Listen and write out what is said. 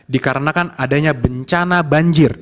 dikarenakan adanya bencana banjir